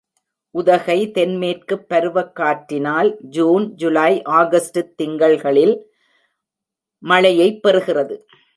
உதகை தென்மேற்குப் பருவக் காற்றினால் ஜூன், ஜூலை, ஆகஸ்டுத் திங்கள்களில் மழையைப் பெறுகிறது.